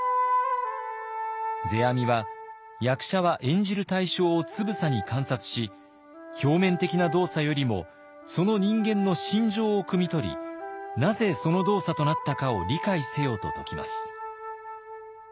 世阿弥は役者は演じる対象をつぶさに観察し表面的な動作よりもその人間の心情をくみ取りなぜその動作となったかを理解せよと説きます。